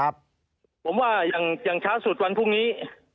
ผมว่าอย่างช้าสุดวันพรุ่งนี้